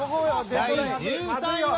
第１３位は。